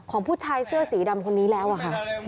ผู้ชายเสื้อสีดำคนนี้แล้วอะค่ะ